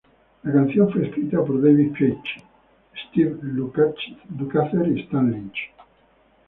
La canción fue escrita por David Paich, Steve Lukather y Stan Lynch.